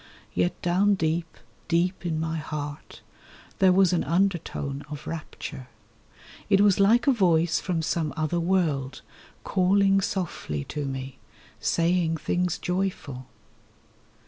Yet down deep, deep in my heart there was an undertone of rapture. It was like a voice from some other world calling softly to me, Saying things joyful.